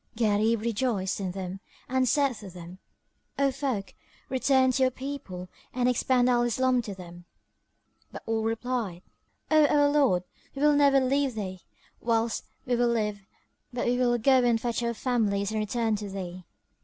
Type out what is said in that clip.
Gharib rejoiced in them and said to them, "O folk, return to your people and expound Al Islam to them;" but all replied, "O our lord, we will never leave thee, whilst we live; but we will go and fetch our families and return to thee."